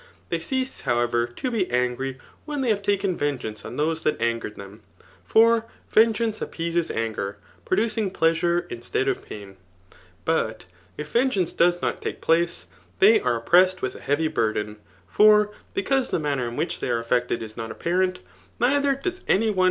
} They cease, however, to be angry when they have taken vengeance oh those that angered them ; for v^geance appeases anger, producing pleasure mstead of pain. But if vengeance does not take place, they are q>pressed «rith a heavy burden ; for because the manner in which th^ are affected fe not apparent^ neither does any one Digitized by Google iJUJ^. ^. ETHIC*.